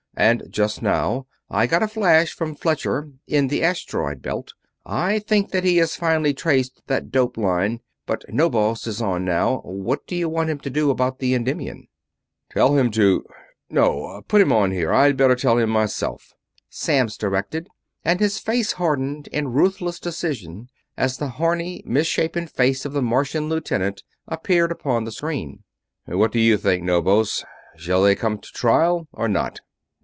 And just now I got a flash from Fletcher, in the asteroid belt. I think that he has finally traced that dope line. But Knobos is on now what do you want him to do about the Endymion?" "Tell him to no, put him on here, I'd better tell him myself," Samms directed, and his face hardened in ruthless decision as the horny, misshapen face of the Martian lieutenant appeared upon the screen. "What do you think, Knobos? Shall they come to trial or not?"